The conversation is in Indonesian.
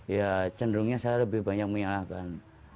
ya cenderungnya saya lebih banyak menyalahkan